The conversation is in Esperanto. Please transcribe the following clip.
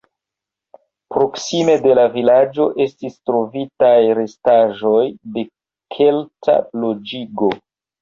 Proksime de la vilaĝo estis trovitaj restaĵoj de kelta loĝigo.